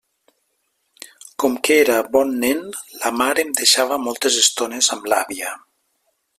Com que era bon nen, la mare em deixava moltes estones amb l'àvia.